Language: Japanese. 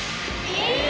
えっ！